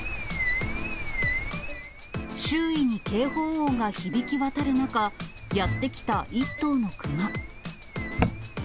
周囲に警報音が響き渡る中、やって来た１頭の熊。